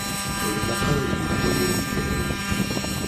Ur ilaq ara ad yili wayagi gar-awen.